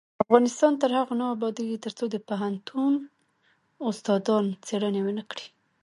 افغانستان تر هغو نه ابادیږي، ترڅو د پوهنتون استادان څیړنې ونکړي.